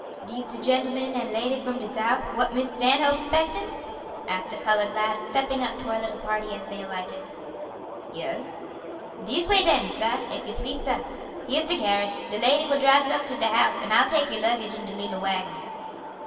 "Dis de gentleman and lady from de South, what Miss Stanhope's 'spectin'?" asked a colored lad, stepping up to our little party as they alighted. "Yes." "Dis way den, sah, if you please, sah. Here's de carriage. De lady will drive you up to de house, and I'll take your luggage in de little wagon."